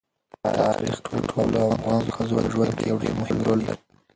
تاریخ د ټولو افغان ښځو په ژوند کې یو ډېر مهم رول لري.